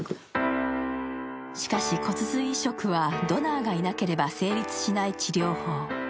しかし、骨髄移植はドナーがいなければ成立しない治療法。